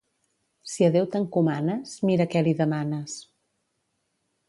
Si a Déu t'encomanes, mira què li demanes.